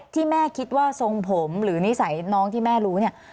ที่แม่คิดว่าทรงผมหรือนิสัยน้องที่แม่รู้เนี่ย